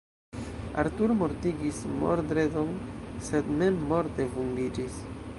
Arturo mortigis Mordred-on sed mem morte vundiĝis.